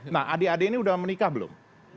nah adik adik ini sudah menikah belum